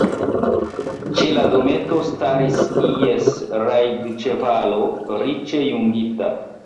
Ĉe la dometo staris ies rajdĉevalo, riĉe jungita.